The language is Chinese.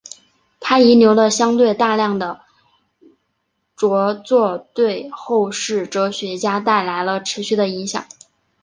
他遗留的相对大量的着作对后世哲学家带来了持续的影响。